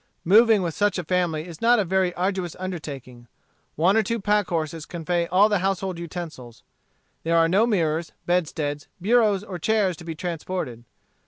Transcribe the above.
Moving with such a family is not a very arduous undertaking. One or two pack horses convey all the household utensils. There are no mirrors, bedsteads, bureaus, or chairs to be transported.